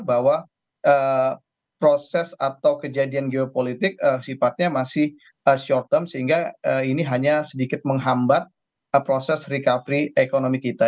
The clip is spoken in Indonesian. bahwa proses atau kejadian geopolitik sifatnya masih short term sehingga ini hanya sedikit menghambat proses recovery ekonomi kita